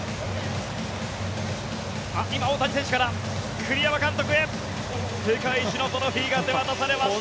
今、大谷選手から栗山監督へ世界一のトロフィーが手渡されました。